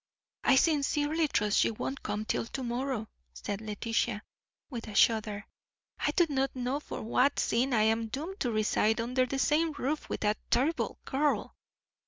"I sincerely trust she won't come till to morrow," said Letitia, with a shudder. "I do not know for what sin I am doomed to reside under the same roof with that terrible girl."